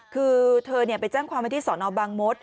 คือเธอไปแจ้งความว่าที่สบม